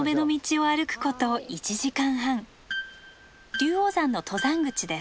龍王山の登山口です。